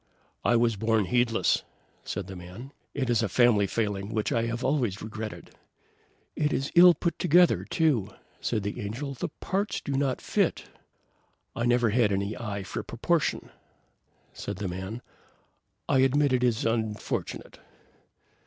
"I was born heedless," said the man. "It is a family failing which I have always regretted." "It is ill put together, too;" said the Angel. "The parts do not fit." "I never had any eye for proportion," said the man; "I admit it is unfortunate."